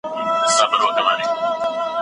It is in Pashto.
لمر به د پاڼې سوری تن بېرته جوړ کړي.